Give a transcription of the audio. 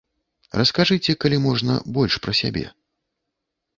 Раскажыце, калі можна, больш пра сябе.